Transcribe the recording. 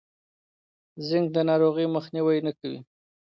زینک د ناروغۍ مخنیوی نه کوي.